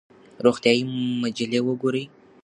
روغتیایي مجلې وګورئ.